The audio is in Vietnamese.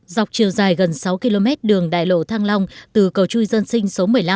dọc chiều dài gần sáu km đường đại lộ thăng long từ cầu chui dân sinh số một mươi năm